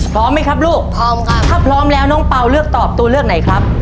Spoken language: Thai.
พร้อมไหมครับลูกพร้อมค่ะถ้าพร้อมแล้วน้องเปล่าเลือกตอบตัวเลือกไหนครับ